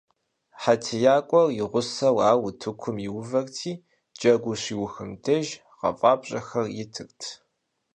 ХьэтиякӀуэр и гъусэу ар утыкум иувэрти, джэгур щиухым деж гъэфӀапщӀэхэр итырт.